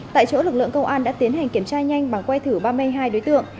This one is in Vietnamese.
tại chỗ lực lượng công an đã tiến hành kiểm tra nhanh bằng que thử ba mươi hai đối tượng